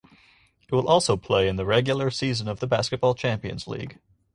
It will also play in the regular season of the Basketball Champions League.